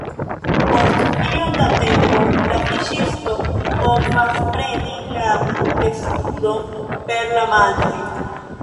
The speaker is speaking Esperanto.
Post iom da tempo, la fiŝisto povas preni la testudon per la manoj.